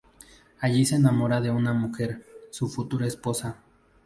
Allí se enamora de una mujer, su futura esposa.